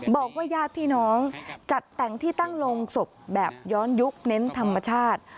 ญาติพี่น้องจัดแต่งที่ตั้งโรงศพแบบย้อนยุคเน้นธรรมชาติ